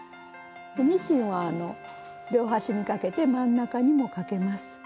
ミシンは両端にかけて真ん中にもかけます。